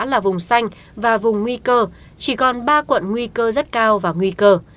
là vùng xanh và vùng nguy cơ chỉ còn ba quận nguy cơ rất cao và nguy cơ